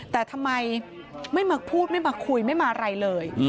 แต่ทำไมไม่มาพูดไม่มาคุยไม่มาอะไรเลย